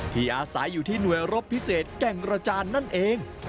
ที่อาศัยอยู่ที่หน่วยรบพิเศษแก่งกระจานนั่นเอง